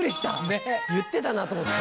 言ってたなと思って。